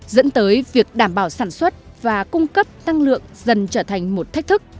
dẫn tới việc đảm bảo sản xuất và cung cấp tăng lượng dần trở thành một thách thức